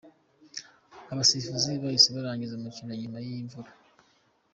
Abasifuzi bahise barangiza umukino nyuma y’imvururu.